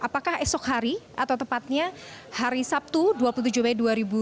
apakah esok hari atau tepatnya hari sabtu dua puluh tujuh mei dua ribu dua puluh